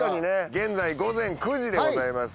現在午前９時でございます。